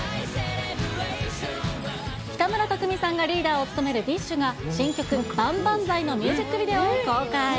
北村匠海さんがリーダーを務めるＤＩＳＨ／／が新曲、万々歳のミュージックビデオを公開。